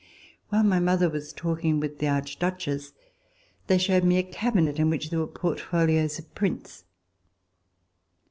While my mother was talking with the Archduchess, they showed me a cabinet in which there were portfolios of prints.